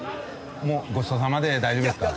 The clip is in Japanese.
もうごちそうさまで大丈夫ですか？